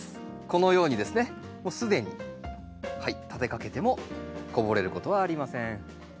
このようにですねもう既に立てかけてもこぼれることはありません。